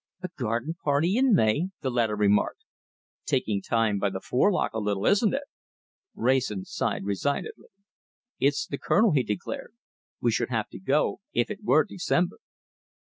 "A garden party in May!" the latter remarked. "Taking time by the forelock a little, isn't it?" Wrayson sighed resignedly. "It's the Colonel!" he declared. "We should have to go if it were December!"